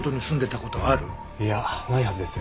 いやないはずです。